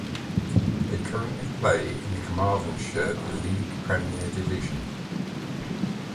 They currently play in the Carmarthenshire League Premier Division.